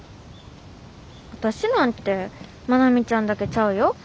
私なんて愛美ちゃんだけちゃうよ？